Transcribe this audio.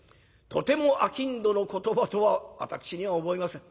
とても商人の言葉とは私には思えません。